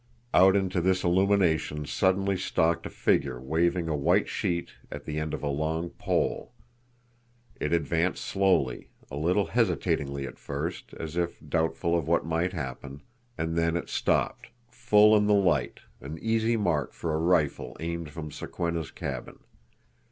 Out into this illumination suddenly stalked a figure waving a white sheet at the end of a long pole. It advanced slowly, a little hesitatingly at first, as if doubtful of what might happen; and then it stopped, full in the light, an easy mark for a rifle aimed from Sokwenna's cabin.